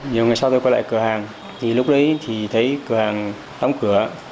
nhiều ngày sau tôi quay lại cửa hàng lúc đấy thì thấy cửa hàng tắm cửa